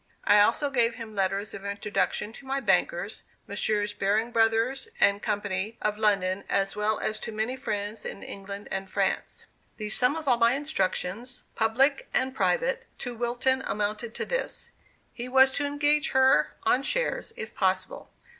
I also gave him letters of introduction to my bankers, Messrs. Baring Brothers & Co., of London, as well as to many friends in England and France. The sum of all my instructions, public and private, to Wilton amounted to this: He was to engage her on shares, if possible.